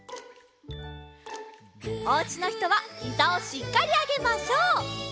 おうちのひとはひざをしっかりあげましょう！